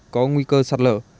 có nguy cơ sạt lở